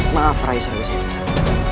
maaf rai suri usisa